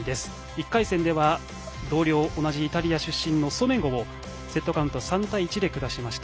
１回戦では同僚同じイタリア出身のソネゴをセットカウント３対１で下しました。